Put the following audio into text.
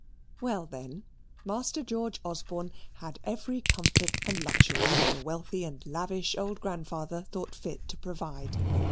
Well, then, Master George Osborne had every comfort and luxury that a wealthy and lavish old grandfather thought fit to provide.